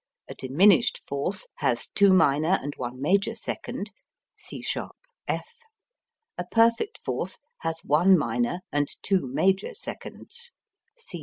A diminished fourth has two minor and one major second. C[sharp] F. A perfect fourth has one minor and two major seconds.